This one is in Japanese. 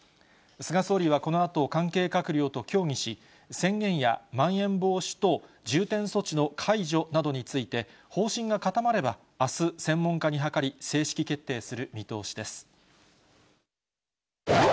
菅総理はこのあと関係閣僚と協議し、宣言やまん延防止等重点措置の解除などについて、方針が固まれば、あす専門家に諮り、正式決定する見通しです。